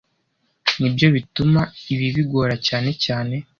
Nibyo bituma ibi bigora cyane cyane